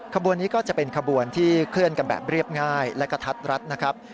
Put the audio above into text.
ขบวนนี้ก็จะเป็นขบวนที่เคลื่อนกันแบบเรียบง่ายและกระทัดรัดนะครับ